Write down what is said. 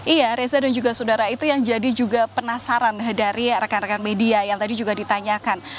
iya reza dan juga saudara itu yang jadi juga penasaran dari rekan rekan media yang tadi juga ditanyakan